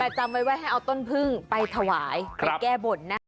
จำไว้ว่าให้เอาต้นพึ่งไปถวายไปแก้บนนะคะ